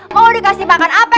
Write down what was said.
mau dikasih makan apa